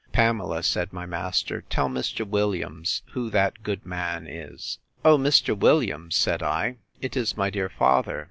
Pamela, said my master, tell Mr. Williams who that good man is. O, Mr. Williams! said I, it is my dear father!